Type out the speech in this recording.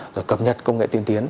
rồi cập nhật công nghệ tiên tiến